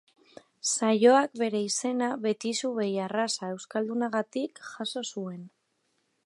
Saioak bere izena Betizu behi arraza euskaldunagatik jaso zuen.